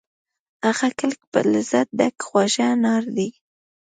هغه کلک په لذت ډک خواږه انار دي